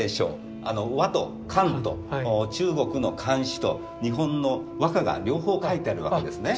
倭と漢と中国の漢詩と日本の和歌が両方書いてあるわけですね。